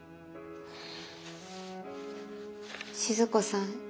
静子さん